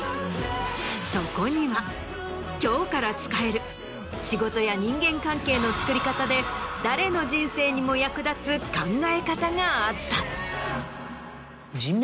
そこには今日から使える仕事や人間関係のつくり方で誰の人生にも役立つ考え方があった。